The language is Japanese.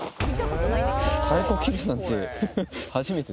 太鼓切るなんて。